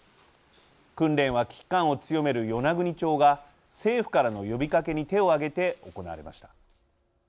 訓練は危機感を強める与那国町が政府からの呼びかけに手を挙げて行われました。